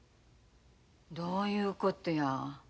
どういうことや。